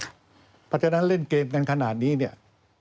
เพราะฉะนั้นเล่นเกมกันขนาดนี้เนี่ย